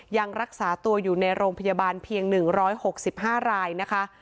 ยังรักษาตัวอยู่ในโรงพยาบาลเพียง๑๖๕รายนะคะ